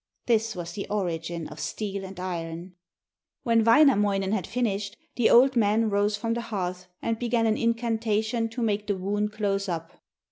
This was the origin of steel and iron. When Wainamoinen had finished, the old man rose from the hearth and began an incantation to make the wound close up.